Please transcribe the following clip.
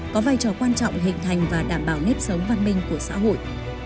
có vai trò quan trọng hình thành và đảm bảo nếp sống văn minh của xã hội